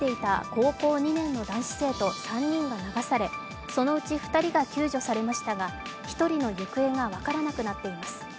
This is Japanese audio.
高校２年の男子生徒３人が流されそのうち２人が救助されましたが、１人の行方が分からなくなっています。